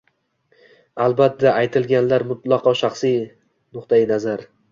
Albatta, aytilganlar mutlaqo shaxsiy nuqtai nazar